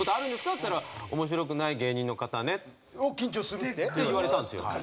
っつったら「面白くない芸人の方ね」。を緊張するって？って言われたんですよ。